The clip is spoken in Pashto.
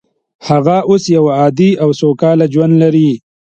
هغه اوس یو عادي او سوکاله ژوند لري